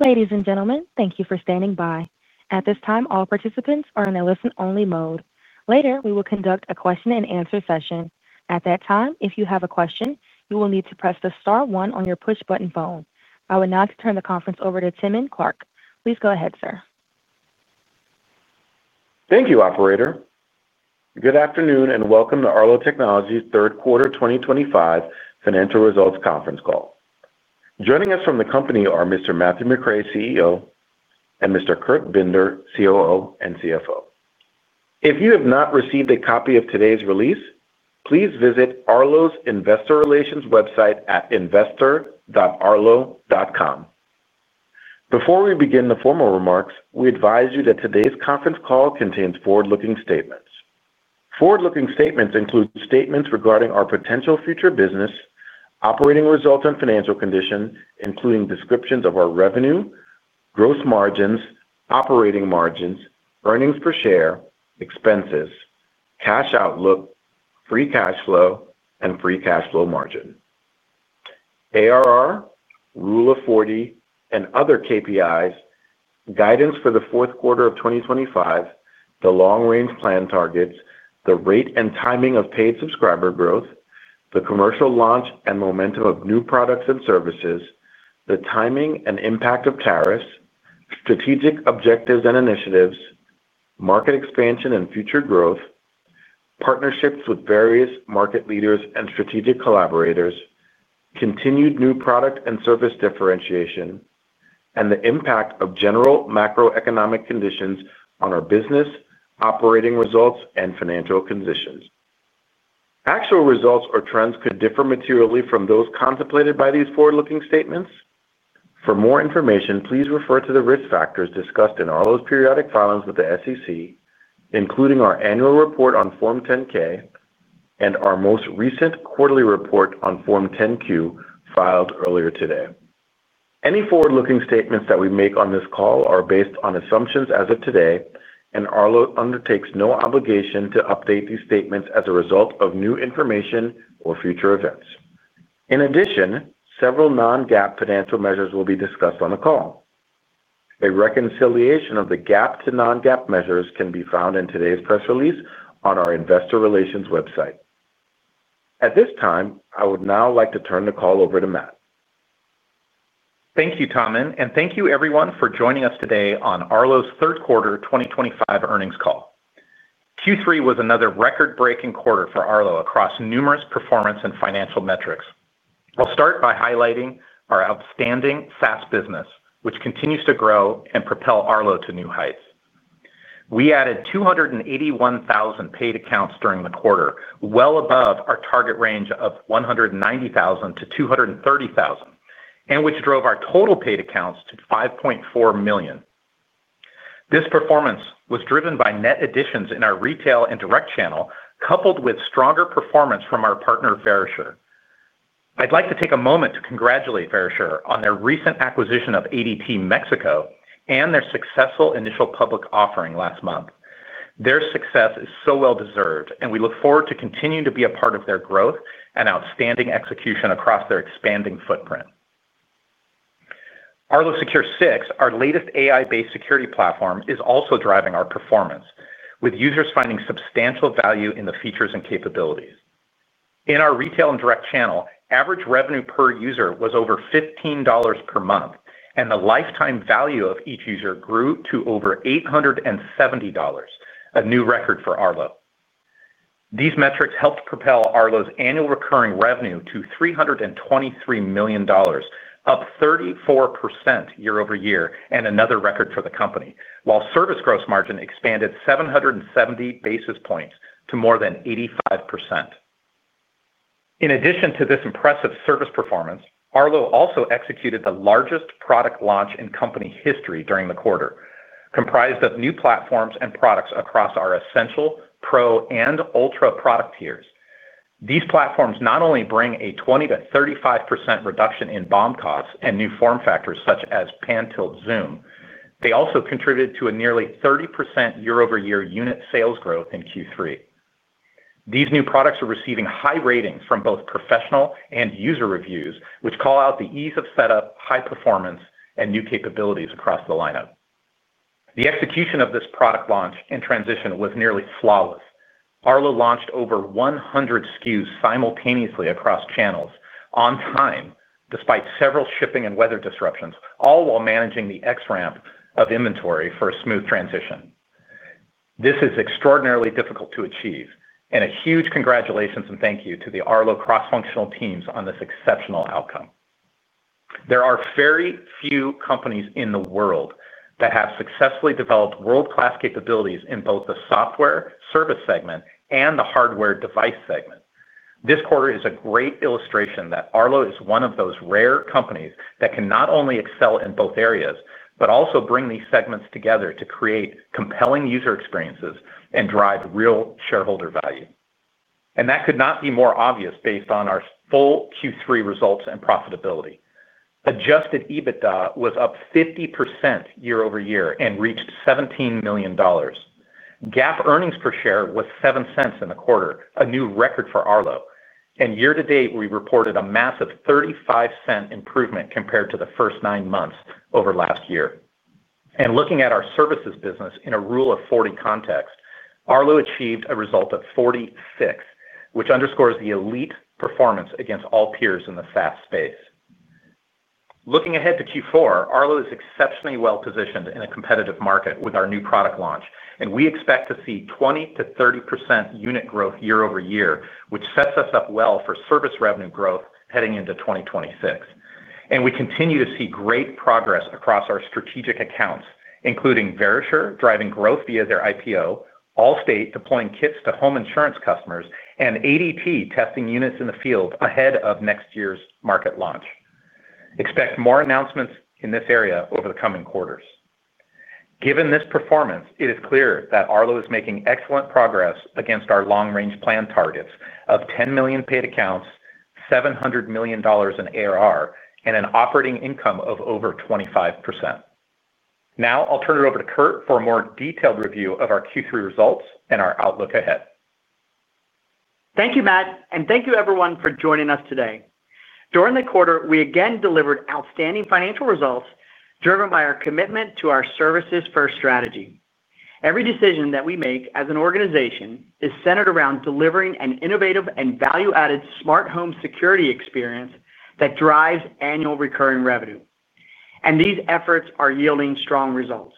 Ladies and gentlemen, thank you for standing by. At this time, all participants are in a listen-only mode. Later, we will conduct a question-and-answer session. At that time, if you have a question, you will need to press the star one on your push-button phone. I will now turn the conference over to Tahmin Clarke. Please go ahead, sir. Thank you, Operator. Good afternoon and welcome to Arlo Technologies' third quarter 2025 financial results conference call. Joining us from the company are Mr. Matthew McRae, CEO, and Mr. Kurt Binder, COO and CFO. If you have not received a copy of today's release, please visit Arlo's investor relations website at investor.arlo.com. Before we begin the formal remarks, we advise you that today's conference call contains forward-looking statements. Forward-looking statements include statements regarding our potential future business, operating results, and financial condition, including descriptions of our revenue, gross margins, operating margins, earnings per share, expenses, cash outlook, free cash flow, and free cash flow margin. ARR, Rule of 40, and other KPIs, guidance for the fourth quarter of 2025, the long-range plan targets, the rate and timing of paid subscriber growth, the commercial launch and momentum of new products and services, the timing and impact of tariffs, strategic objectives and initiatives, market expansion and future growth. Partnerships with various market leaders and strategic collaborators, continued new product and service differentiation, and the impact of general macroeconomic conditions on our business, operating results, and financial conditions. Actual results or trends could differ materially from those contemplated by these forward-looking statements. For more information, please refer to the risk factors discussed in Arlo's periodic filings with the SEC, including our annual report on Form 10%-K and our most recent quarterly report on Form 10%-Q filed earlier today. Any forward-looking statements that we make on this call are based on assumptions as of today, and Arlo undertakes no obligation to update these statements as a result of new information or future events. In addition, several non-GAAP financial measures will be discussed on the call. A reconciliation of the GAAP to non-GAAP measures can be found in today's press release on our investor relations website. At this time, I would now like to turn the call over to Matt. Thank you, Tom, and thank you, everyone, for joining us today on Arlo's third quarter 2025 earnings call. Q3 was another record-breaking quarter for Arlo across numerous performance and financial metrics. I'll start by highlighting our outstanding SaaS business, which continues to grow and propel Arlo to new heights. We added 281,000 paid accounts during the quarter, well above our target range of 190,000%-230,000, and which drove our total paid accounts to 5.4 million. This performance was driven by net additions in our retail and direct channel, coupled with stronger performance from our partner, Verisure. I'd like to take a moment to congratulate Verisure on their recent acquisition of ADT Mexico and their successful initial public offering last month. Their success is so well deserved, and we look forward to continuing to be a part of their growth and outstanding execution across their expanding footprint. Arlo Secure 6, our latest AI-based security platform, is also driving our performance, with users finding substantial value in the features and capabilities. In our retail and direct channel, average revenue per user was over $15 per month, and the lifetime value of each user grew to over $870, a new record for Arlo. These metrics helped propel Arlo's annual recurring revenue to $323 million, up 34% year-over-year and another record for the company, while service gross margin expanded 770 basis points to more than 85%. In addition to this impressive service performance, Arlo also executed the largest product launch in company history during the quarter, comprised of new platforms and products across our Essential, Pro, and Ultra product tiers. These platforms not only bring a 20%-35% reduction in BOM costs and new form factors such as pan-tilt-zoom, they also contributed to a nearly 30% year-over-year unit sales growth in Q3. These new products are receiving high ratings from both professional and user reviews, which call out the ease of setup, high performance, and new capabilities across the lineup. The execution of this product launch and transition was nearly flawless. Arlo launched over 100 SKUs simultaneously across channels on time, despite several shipping and weather disruptions, all while managing the ramp of inventory for a smooth transition. This is extraordinarily difficult to achieve, and a huge congratulations and thank you to the Arlo cross-functional teams on this exceptional outcome. There are very few companies in the world that have successfully developed world-class capabilities in both the software service segment and the hardware device segment. This quarter is a great illustration that Arlo is one of those rare companies that can not only excel in both areas, but also bring these segments together to create compelling user experiences and drive real shareholder value. That could not be more obvious based on our full Q3 results and profitability. Adjusted EBITDA was up 50% year-over-year and reached $17 million. GAAP earnings per share was $0.07 in the quarter, a new record for Arlo. Year to date, we reported a massive $0.35 improvement compared to the first nine months over last year. Looking at our services business in a rule of 40 context, Arlo achieved a result of 46, which underscores the elite performance against all peers in the SaaS space. Looking ahead to Q4, Arlo is exceptionally well positioned in a competitive market with our new product launch, and we expect to see 20%-30% unit growth year-over-year, which sets us up well for service revenue growth heading into 2026. We continue to see great progress across our strategic accounts, including Verisure driving growth via their IPO, Allstate deploying kits to home insurance customers, and ADT testing units in the field ahead of next year's market launch. Expect more announcements in this area over the coming quarters. Given this performance, it is clear that Arlo is making excellent progress against our long-range plan targets of 10 million paid accounts, $700 million in ARR, and an operating income of over 25%. Now, I'll turn it over to Kurt for a more detailed review of our Q3 results and our outlook ahead. Thank you, Matt, and thank you, everyone, for joining us today. During the quarter, we again delivered outstanding financial results driven by our commitment to our services-first strategy. Every decision that we make as an organization is centered around delivering an innovative and value-added smart home security experience that drives annual recurring revenue, and these efforts are yielding strong results.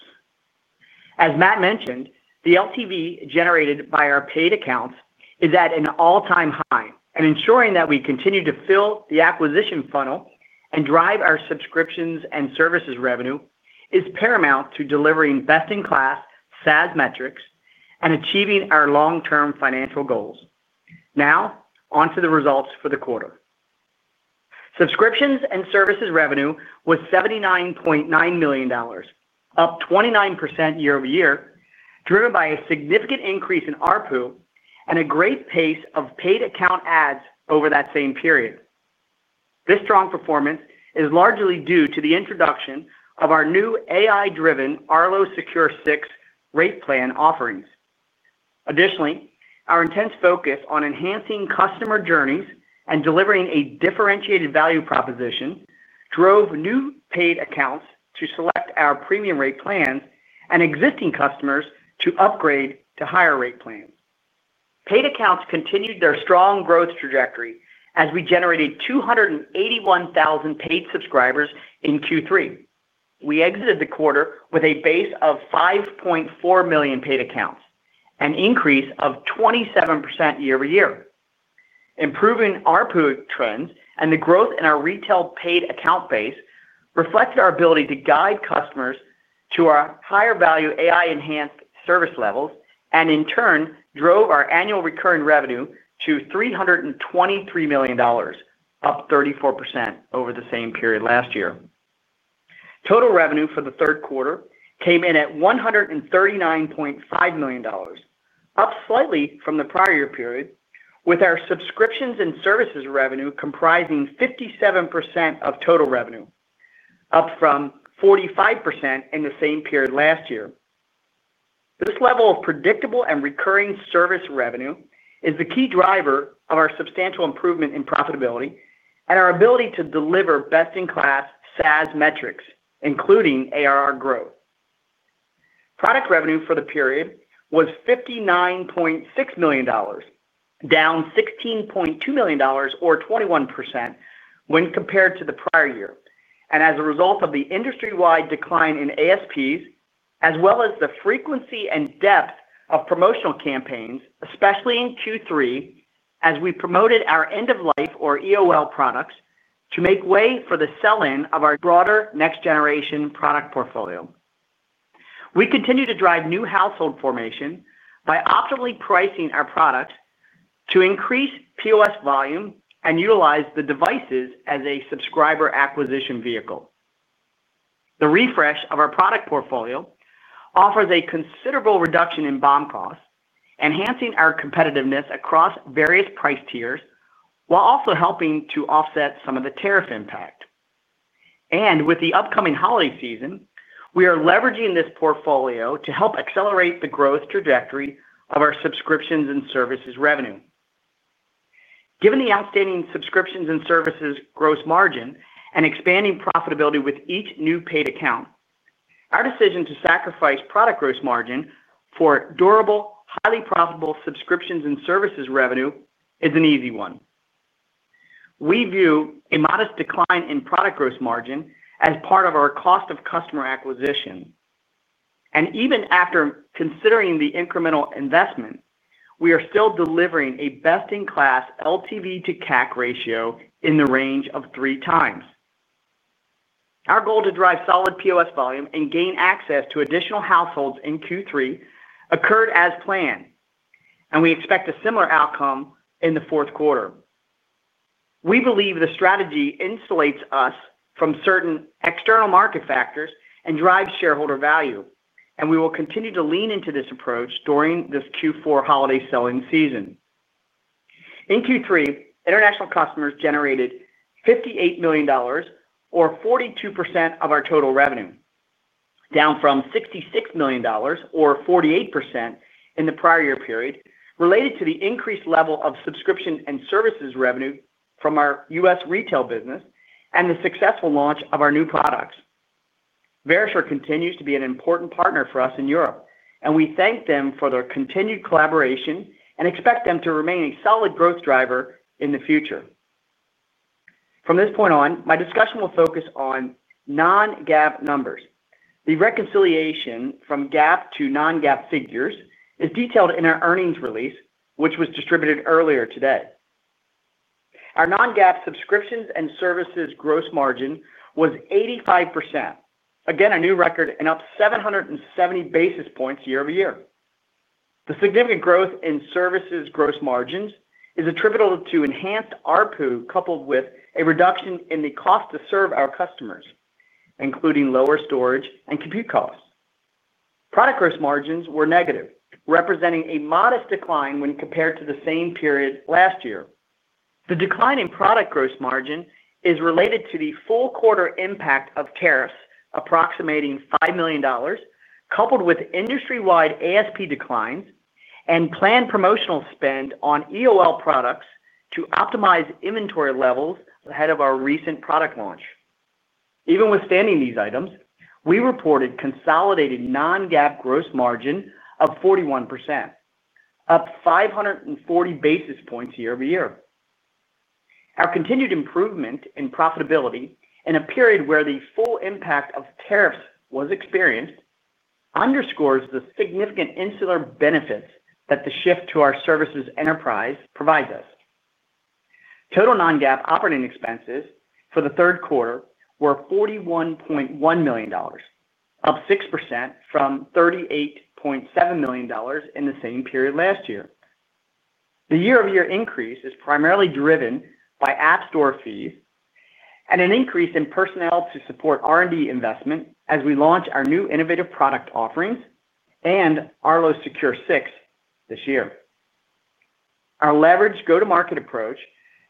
As Matt mentioned, the LTV generated by our paid accounts is at an all-time high, and ensuring that we continue to fill the acquisition funnel and drive our subscriptions and services revenue is paramount to delivering best-in-class SaaS metrics and achieving our long-term financial goals. Now, onto the results for the quarter. Subscriptions and services revenue was $79.9 million, up 29% year-over-year, driven by a significant increase in ARPU and a great pace of paid account adds over that same period. This strong performance is largely due to the introduction of our new AI-driven Arlo Secure 6 rate plan offerings. Additionally, our intense focus on enhancing customer journeys and delivering a differentiated value proposition drove new paid accounts to select our premium rate plans and existing customers to upgrade to higher rate plans. Paid accounts continued their strong growth trajectory as we generated 281,000 paid subscribers in Q3. We exited the quarter with a base of 5.4 million paid accounts, an increase of 27% year-over-year. Improving ARPU trends and the growth in our retail paid account base reflected our ability to guide customers to our higher-value AI-enhanced service levels and, in turn, drove our annual recurring revenue to $323 million, up 34% over the same period last year. Total revenue for the third quarter came in at $139.5 million, up slightly from the prior year period, with our subscriptions and services revenue comprising 57% of total revenue, up from 45% in the same period last year. This level of predictable and recurring service revenue is the key driver of our substantial improvement in profitability and our ability to deliver best-in-class SaaS metrics, including ARR growth. Product revenue for the period was $59.6 million, down $16.2 million, or 21%, when compared to the prior year, and as a result of the industry-wide decline in ASPs, as well as the frequency and depth of promotional campaigns, especially in Q3, as we promoted our end-of-life, or EOL, products to make way for the sell-in of our broader next-generation product portfolio. We continue to drive new household formation by optimally pricing our products to increase POS volume and utilize the devices as a subscriber acquisition vehicle. The refresh of our product portfolio offers a considerable reduction in BOM costs, enhancing our competitiveness across various price tiers while also helping to offset some of the tariff impact. With the upcoming holiday season, we are leveraging this portfolio to help accelerate the growth trajectory of our subscriptions and services revenue. Given the outstanding subscriptions and services gross margin and expanding profitability with each new paid account, our decision to sacrifice product gross margin for durable, highly profitable subscriptions and services revenue is an easy one. We view a modest decline in product gross margin as part of our cost of customer acquisition. Even after considering the incremental investment, we are still delivering a best-in-class LTV to CAC ratio in the range of 3x. Our goal to drive solid POS volume and gain access to additional households in Q3 occurred as planned, and we expect a similar outcome in the fourth quarter. We believe the strategy insulates us from certain external market factors and drives shareholder value, and we will continue to lean into this approach during this Q4 holiday sell-in season. In Q3, international customers generated $58 million, or 42% of our total revenue, down from $66 million, or 48%, in the prior year period, related to the increased level of subscription and services revenue from our US retail business and the successful launch of our new products. Verisure continues to be an important partner for us in Europe, and we thank them for their continued collaboration and expect them to remain a solid growth driver in the future. From this point on, my discussion will focus on non-GAAP numbers. The reconciliation from GAAP to non-GAAP figures is detailed in our earnings release, which was distributed earlier today. Our non-GAAP subscriptions and services gross margin was 85%, again a new record and up 770 basis points year-over-year. The significant growth in services gross margins is attributable to enhanced ARPU coupled with a reduction in the cost to serve our customers, including lower storage and compute costs. Product gross margins were negative, representing a modest decline when compared to the same period last year. The decline in product gross margin is related to the full quarter impact of tariffs approximating $5 million, coupled with industry-wide ASP declines and planned promotional spend on EOL products to optimize inventory levels ahead of our recent product launch. Even withstanding these items, we reported consolidated non-GAAP gross margin of 41%, up 540 basis points year-over-year. Our continued improvement in profitability in a period where the full impact of tariffs was experienced underscores the significant insular benefits that the shift to our services enterprise provides us. Total non-GAAP operating expenses for the third quarter were $41.1 million, up 6% from $38.7 million in the same period last year. The year-over-year increase is primarily driven by App Store fees and an increase in personnel to support R&D investment as we launch our new innovative product offerings and Arlo Secure 6 this year. Our leveraged go-to-market approach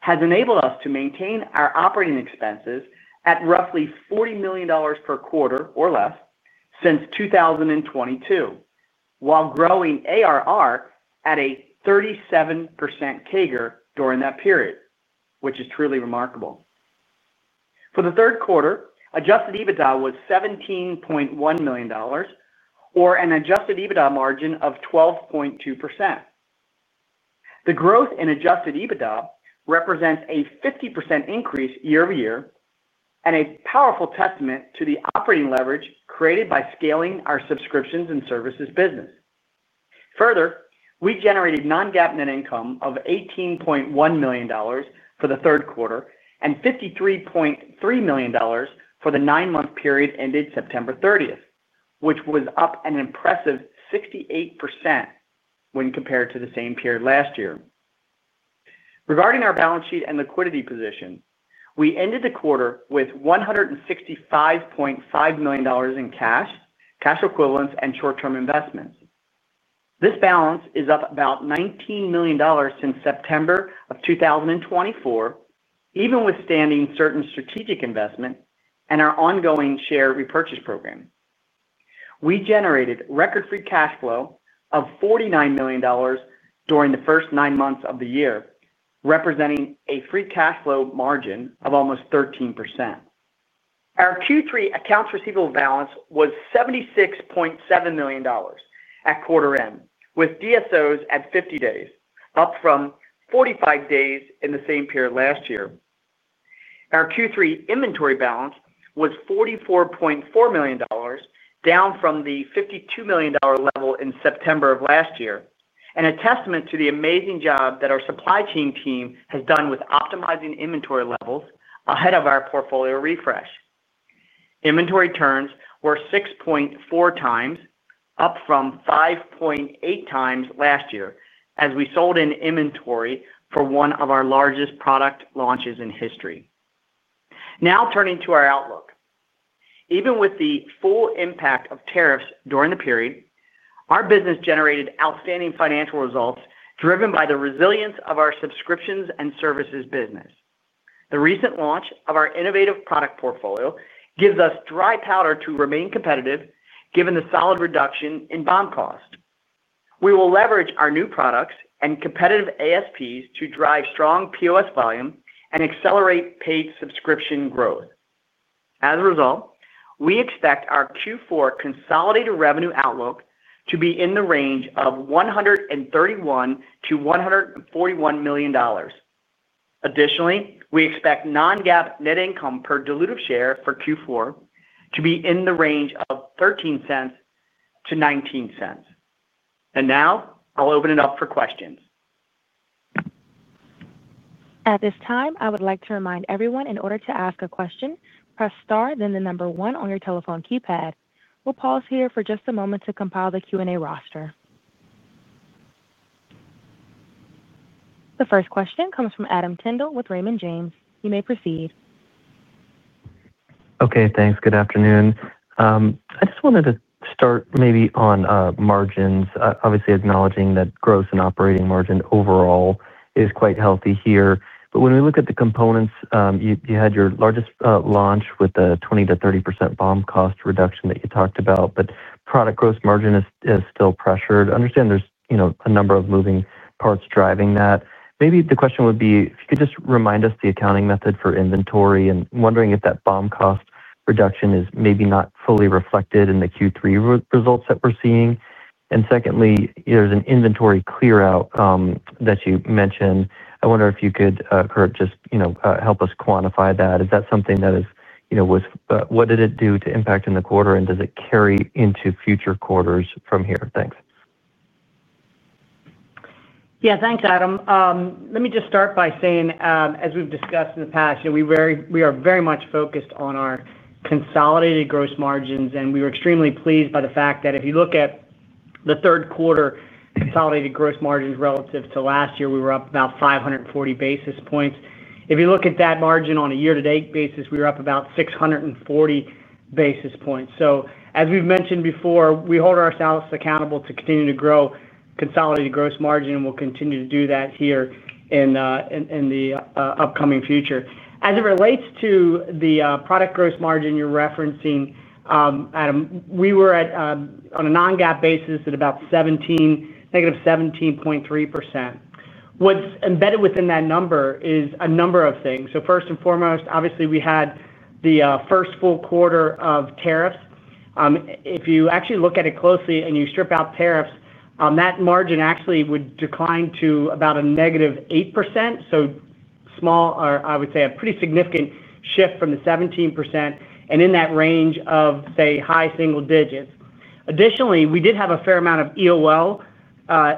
has enabled us to maintain our operating expenses at roughly $40 million per quarter or less since 2022, while growing ARR at a 37% CAGR during that period, which is truly remarkable. For the third quarter, adjusted EBITDA was $17.1 million, or an adjusted EBITDA margin of 12.2%. The growth in adjusted EBITDA represents a 50% increase year-over-year and a powerful testament to the operating leverage created by scaling our subscriptions and services business. Further, we generated non-GAAP net income of $18.1 million for the third quarter and $53.3 million for the nine-month period ended September 30th, which was up an impressive 68% when compared to the same period last year. Regarding our balance sheet and liquidity position, we ended the quarter with $165.5 million in cash, cash equivalents, and short-term investments. This balance is up about $19 million since September of 2024, even withstanding certain strategic investment and our ongoing share repurchase program. We generated record free cash flow of $49 million during the first nine months of the year, representing a free cash flow margin of almost 13%. Our Q3 accounts receivable balance was $76.7 million at quarter end, with DSOs at 50 days, up from 45 days in the same period last year. Our Q3 inventory balance was $44.4 million, down from the $52 million level in September of last year, and a testament to the amazing job that our supply chain team has done with optimizing inventory levels ahead of our portfolio refresh. Inventory turns were 6.4x, up from 5.8x last year as we sold in inventory for one of our largest product launches in history. Now, turning to our outlook, even with the full impact of tariffs during the period, our business generated outstanding financial results driven by the resilience of our subscriptions and services business. The recent launch of our innovative product portfolio gives us dry powder to remain competitive given the solid reduction in BOM cost. We will leverage our new products and competitive ASPs to drive strong POS volume and accelerate paid subscription growth. As a result, we expect our Q4 consolidated revenue outlook to be in the range of $131-$141 million. Additionally, we expect non-GAAP net income per diluted share for Q4 to be in the range of $0.13-$0.19. Now, I'll open it up for questions. At this time, I would like to remind everyone in order to ask a question, press star, then the number one on your telephone keypad. We'll pause here for just a moment to compile the Q&A roster. The first question comes from Adam Tindle with Raymond James. You may proceed. Okay. Thanks. Good afternoon. I just wanted to start maybe on margins, obviously acknowledging that gross and operating margin overall is quite healthy here. When we look at the components, you had your largest launch with a 20%-30% BOM cost reduction that you talked about, but product gross margin is still pressured. I understand there's a number of moving parts driving that. Maybe the question would be if you could just remind us the accounting method for inventory, and wondering if that BOM cost reduction is maybe not fully reflected in the Q3 results that we're seeing. Secondly, there's an inventory clear-out that you mentioned. I wonder if you could, Kurt, just help us quantify that. Is that something that is—what did it do to impact in the quarter, and does it carry into future quarters from here? Thanks. Yeah. Thanks, Adam. Let me just start by saying, as we've discussed in the past, we are very much focused on our consolidated gross margins, and we were extremely pleased by the fact that if you look at the third quarter consolidated gross margins relative to last year, we were up about 540 basis points. If you look at that margin on a year-to-date basis, we were up about 640 basis points. As we've mentioned before, we hold ourselves accountable to continue to grow consolidated gross margin, and we'll continue to do that here in the upcoming future. As it relates to the product gross margin you're referencing, Adam, we were on a non-GAAP basis at about negative 17.3%. What's embedded within that number is a number of things. First and foremost, obviously, we had the first full quarter of tariffs. If you actually look at it closely and you strip out tariffs, that margin actually would decline to about a negative 8%, so small, I would say a pretty significant shift from the 17% and in that range of, say, high-single-digits. Additionally, we did have a fair amount of EOL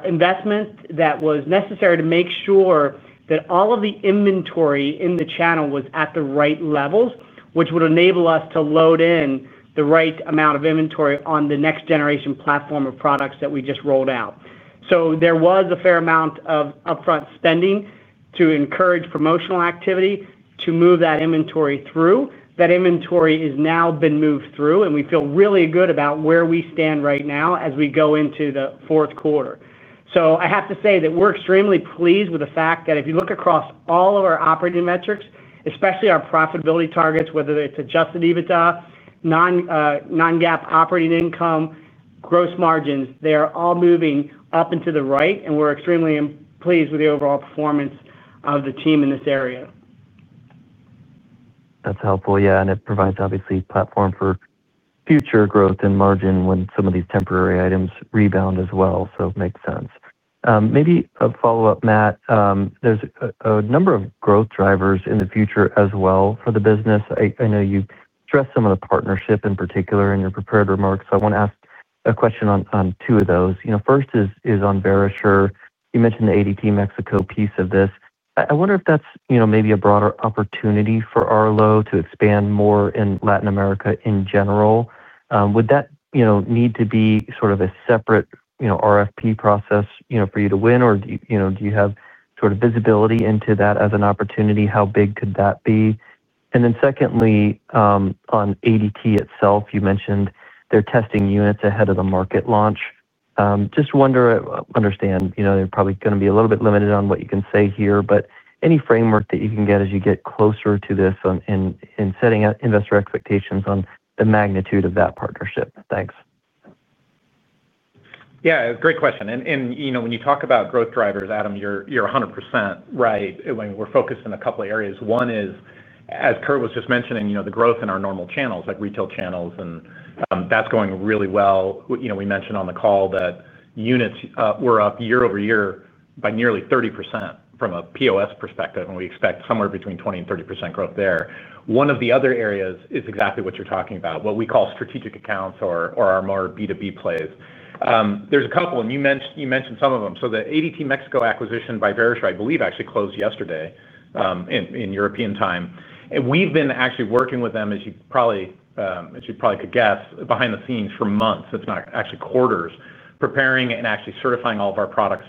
investment that was necessary to make sure that all of the inventory in the channel was at the right levels, which would enable us to load in the right amount of inventory on the next-generation platform of products that we just rolled out. There was a fair amount of upfront spending to encourage promotional activity to move that inventory through. That inventory has now been moved through, and we feel really good about where we stand right now as we go into the fourth quarter. I have to say that we're extremely pleased with the fact that if you look across all of our operating metrics, especially our profitability targets, whether it's adjusted EBITDA, non-GAAP operating income, gross margins, they're all moving up and to the right, and we're extremely pleased with the overall performance of the team in this area. That's helpful. Yeah. And it provides, obviously, platform for future growth and margin when some of these temporary items rebound as well. It makes sense. Maybe a follow-up, Matt. There's a number of growth drivers in the future as well for the business. I know you stress some of the partnership in particular in your prepared remarks, so I want to ask a question on two of those. First is on Verisure. You mentioned the ADT Mexico piece of this. I wonder if that's maybe a broader opportunity for Arlo to expand more in Latin America in general. Would that need to be sort of a separate RFP process for you to win, or do you have sort of visibility into that as an opportunity? How big could that be? Then secondly, on ADT itself, you mentioned they're testing units ahead of the market launch. Just want to understand. They're probably going to be a little bit limited on what you can say here, but any framework that you can get as you get closer to this in setting investor expectations on the magnitude of that partnership? Thanks. Yeah. Great question. When you talk about growth drivers, Adam, you're 100% right. I mean, we're focused in a couple of areas. One is, as Kurt was just mentioning, the growth in our normal channels, like retail channels, and that's going really well. We mentioned on the call that units were up year-over-year by nearly 30% from a POS perspective, and we expect somewhere between 20%-30% growth there. One of the other areas is exactly what you're talking about, what we call strategic accounts or our more B2B plays. There's a couple, and you mentioned some of them. The ADT Mexico acquisition by Verisure, I believe, actually closed yesterday. In European time. We've been actually working with them, as you probably could guess, behind the scenes for months, if not actually quarters, preparing and actually certifying all of our products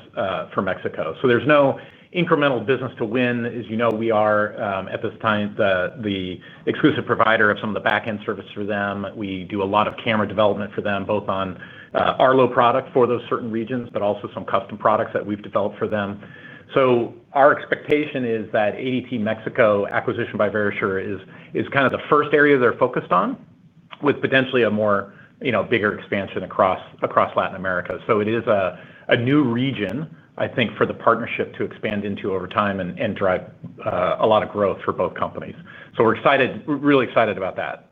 for Mexico. There is no incremental business to win. As you know, we are, at this time, the exclusive provider of some of the back-end services for them. We do a lot of camera development for them, both on Arlo product for those certain regions, but also some custom products that we have developed for them. Our expectation is that the ADT Mexico acquisition by Verisure is kind of the first area they are focused on, with potentially a bigger expansion across Latin America. It is a new region, I think, for the partnership to expand into over time and drive a lot of growth for both companies. We are really excited about that.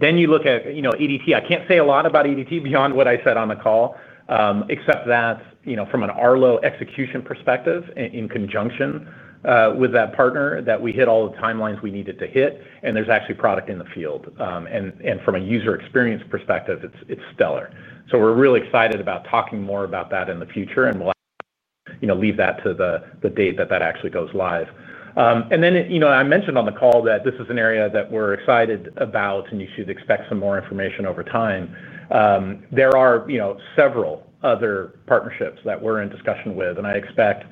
You look at ADT. I can't say a lot about ADT beyond what I said on the call, except that from an Arlo execution perspective, in conjunction with that partner, we hit all the timelines we needed to hit, and there's actually product in the field. From a user experience perspective, it's stellar. We are really excited about talking more about that in the future, and we'll leave that to the date that that actually goes live. I mentioned on the call that this is an area that we're excited about, and you should expect some more information over time. There are several other partnerships that we're in discussion with, and I expect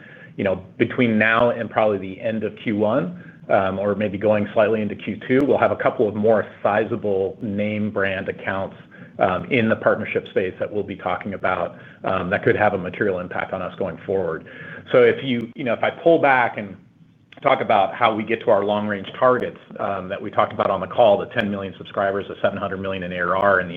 between now and probably the end of Q1, or maybe going slightly into Q2, we'll have a couple of more sizable name-brand accounts in the partnership space that we'll be talking about that could have a material impact on us going forward. If I pull back and talk about how we get to our long-range targets that we talked about on the call, the 10 million subscribers, the $700 million in ARR, and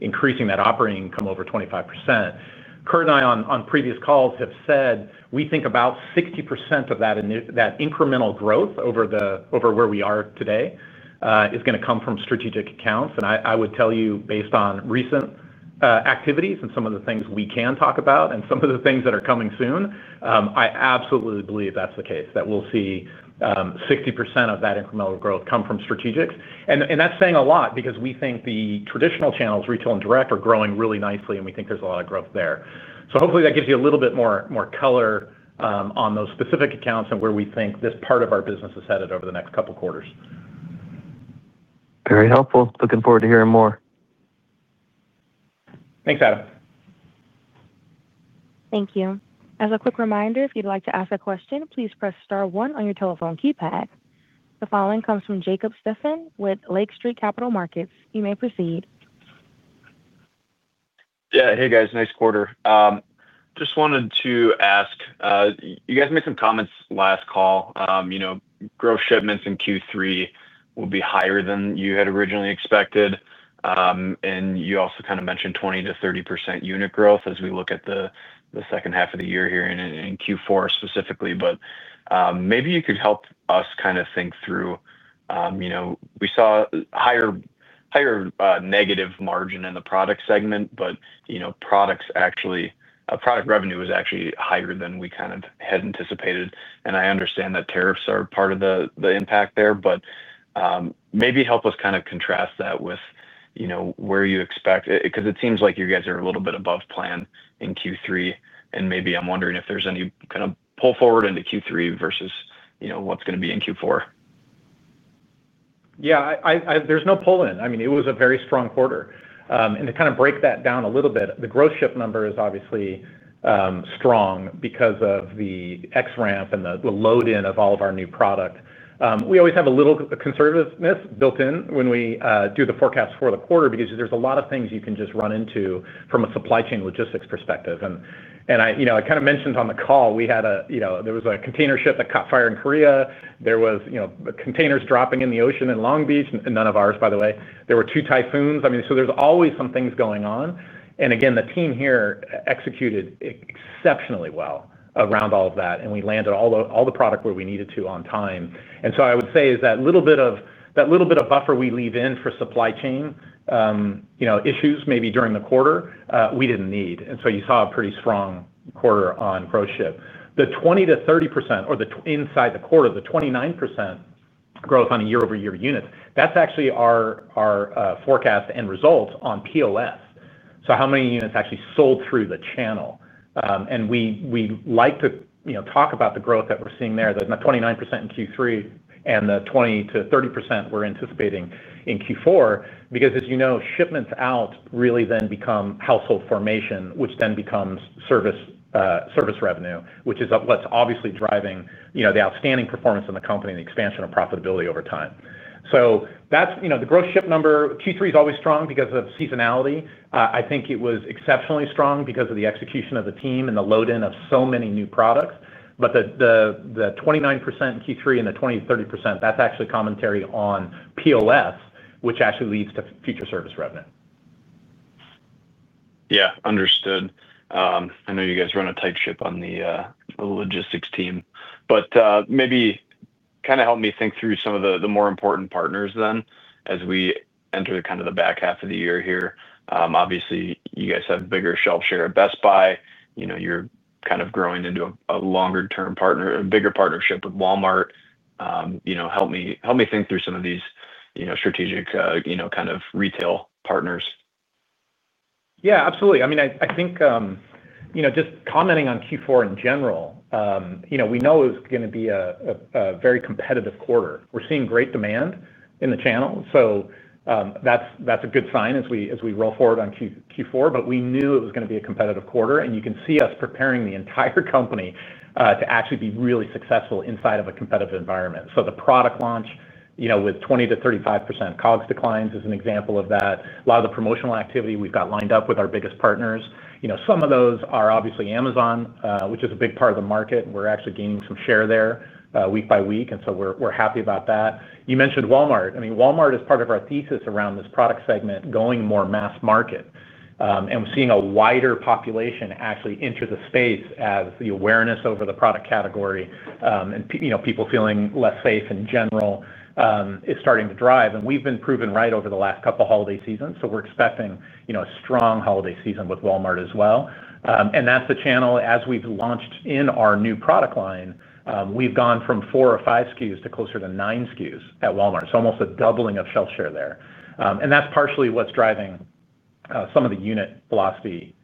increasing that operating income over 25%, Kurt and I on previous calls have said we think about 60% of that incremental growth over where we are today is going to come from strategic accounts. I would tell you, based on recent activities and some of the things we can talk about and some of the things that are coming soon, I absolutely believe that's the case, that we'll see 60% of that incremental growth come from strategics. That's saying a lot because we think the traditional channels, retail and direct, are growing really nicely, and we think there's a lot of growth there. Hopefully, that gives you a little bit more color on those specific accounts and where we think this part of our business is headed over the next couple of quarters. Very helpful. Looking forward to hearing more. Thanks, Adam. Thank you. As a quick reminder, if you'd like to ask a question, please press star one on your telephone keypad. The following comes from Jacob Stephan with Lake Street Capital Markets. You may proceed. Yeah. Hey, guys. Nice quarter. Just wanted to ask. You guys made some comments last call. Growth shipments in Q3 will be higher than you had originally expected. You also kind of mentioned 20%-30% unit growth as we look at the second half of the year here in Q4 specifically. Maybe you could help us kind of think through. We saw higher negative margin in the product segment, but product revenue was actually higher than we kind of had anticipated. I understand that tariffs are part of the impact there, but maybe help us kind of contrast that with where you expect because it seems like you guys are a little bit above plan in Q3, and maybe I'm wondering if there's any kind of pull forward into Q3 versus what's going to be in Q4. Yeah. There's no pull-in. I mean, it was a very strong quarter. And to kind of break that down a little bit, the growth ship number is obviously strong because of the XRAMP and the load-in of all of our new product. We always have a little conservativeness built in when we do the forecast for the quarter because there's a lot of things you can just run into from a supply chain logistics perspective. I kind of mentioned on the call, we had a, there was a container ship that caught fire in Korea. There were containers dropping in the ocean in Long Beach, none of ours, by the way. There were two typhoons. I mean, so there's always some things going on. Again, the team here executed exceptionally well around all of that, and we landed all the product where we needed to on time. I would say is that little bit of buffer we leave in for supply chain issues maybe during the quarter, we didn't need. You saw a pretty strong quarter on growth ship. The 20%-30% or inside the quarter, the 29% growth on a year-over-year unit, that's actually our forecast and result on POS. How many units actually sold through the channel? We like to talk about the growth that we're seeing there, the 29% in Q3 and the 20%-30% we're anticipating in Q4, because as you know, shipments out really then become household formation, which then becomes service revenue, which is what's obviously driving the outstanding performance in the company and the expansion of profitability over time. The growth ship number, Q3 is always strong because of seasonality. I think it was exceptionally strong because of the execution of the team and the load-in of so many new products. The 29% in Q3 and the 20%-30%, that's actually commentary on POS, which actually leads to future service revenue. Yeah. Understood. I know you guys run a tight ship on the logistics team. But maybe kind of help me think through some of the more important partners then as we enter kind of the back half of the year here. Obviously, you guys have a bigger shelf share at Best Buy. You're kind of growing into a longer-term partner, a bigger partnership with Walmart. Help me think through some of these strategic kind of retail partners. Yeah. Absolutely. I mean, I think just commenting on Q4 in general, we know it was going to be a very competitive quarter. We're seeing great demand in the channel. That's a good sign as we roll forward on Q4. We knew it was going to be a competitive quarter. You can see us preparing the entire company to actually be really successful inside of a competitive environment. The product launch with 20%-35% COGS declines is an example of that. A lot of the promotional activity we've got lined up with our biggest partners. Some of those are obviously Amazon, which is a big part of the market. We're actually gaining some share there week by week, and we're happy about that. You mentioned Walmart. I mean, Walmart is part of our thesis around this product segment going more mass market. We're seeing a wider population actually enter the space as the awareness over the product category and people feeling less safe in general is starting to drive. We've been proven right over the last couple of holiday seasons, so we're expecting a strong holiday season with Walmart as well. That's the channel. As we've launched in our new product line, we've gone from four or five SKUs to closer to nine SKUs at Walmart. It's almost a doubling of shelf share there. That's partially what's driving some of the unit velocity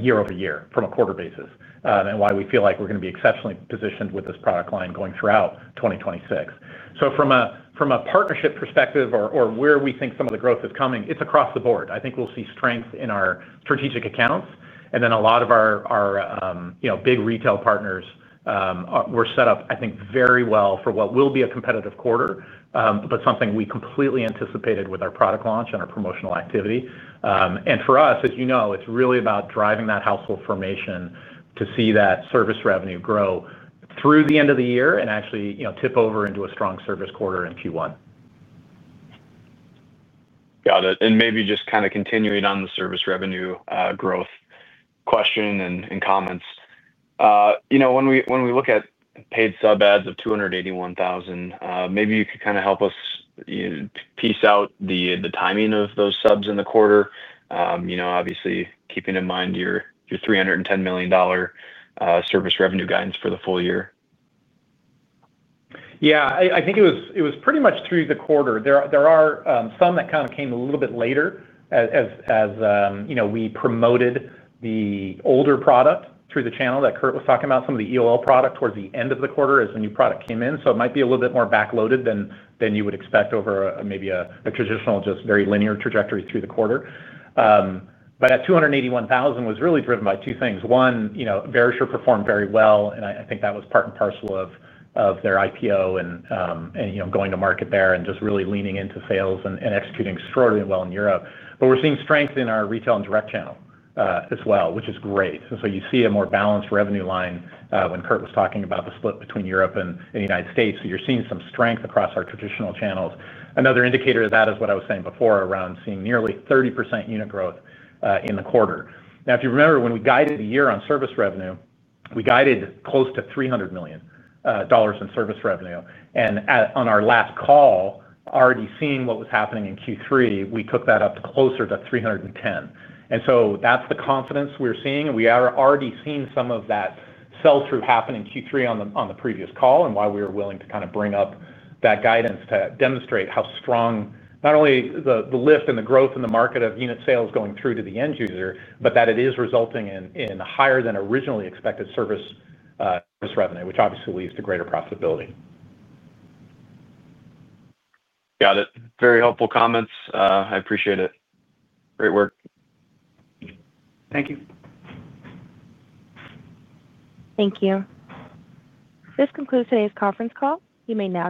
year-over-year from a quarter basis and why we feel like we're going to be exceptionally positioned with this product line going throughout 2026. From a partnership perspective or where we think some of the growth is coming, it's across the board. I think we'll see strength in our strategic accounts. A lot of our big retail partners were set up, I think, very well for what will be a competitive quarter, but something we completely anticipated with our product launch and our promotional activity. For us, as you know, it is really about driving that household formation to see that service revenue grow through the end of the year and actually tip over into a strong service quarter in Q1. Got it. Maybe just kind of continuing on the service revenue growth question and comments. When we look at paid sub ads of 281,000, maybe you could kind of help us piece out the timing of those subs in the quarter, obviously keeping in mind your $310 million service revenue guidance for the full year. Yeah. I think it was pretty much through the quarter. There are some that kind of came a little bit later as we promoted the older product through the channel that Kurt was talking about, some of the EOL product towards the end of the quarter as the new product came in. It might be a little bit more backloaded than you would expect over maybe a traditional, just very linear trajectory through the quarter. That 281,000 was really driven by two things. One, Verisure performed very well, and I think that was part and parcel of their IPO and going to market there and just really leaning into sales and executing extraordinarily well in Europe. We are seeing strength in our retail and direct channel as well, which is great. You see a more balanced revenue line when Kurt was talking about the split between Europe and the United States. You are seeing some strength across our traditional channels. Another indicator of that is what I was saying before around seeing nearly 30% unit growth in the quarter. If you remember, when we guided the year on service revenue, we guided close to $300 million in service revenue. On our last call, already seeing what was happening in Q3, we took that up closer to $310 million. That is the confidence we are seeing. We are already seeing some of that sell-through happen in Q3 on the previous call and why we were willing to kind of bring up that guidance to demonstrate how strong not only the lift and the growth in the market of unit sales going through to the end user, but that it is resulting in higher than originally expected service revenue, which obviously leads to greater profitability. Got it. Very helpful comments. I appreciate it. Great work. Thank you. Thank you. This concludes today's conference call. You may now.